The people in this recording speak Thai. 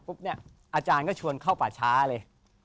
เนี่ยอาจารย์ก็ชวนเข้าป่าช้าเลย